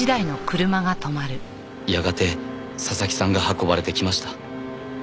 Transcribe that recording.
やがて佐々木さんが運ばれてきました。